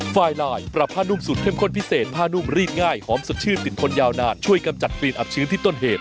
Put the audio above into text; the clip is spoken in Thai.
ไฟลายปรับผ้านุ่มสูตรเข้มข้นพิเศษผ้านุ่มรีดง่ายหอมสดชื่นติดทนยาวนานช่วยกำจัดฟรีนอับชื้นที่ต้นเหตุ